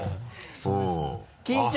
そうですね。